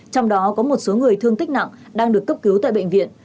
trong đó có một số người thương tích nặng đang được cấp cứu tại bệnh viện